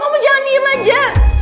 kamu jangan diem aja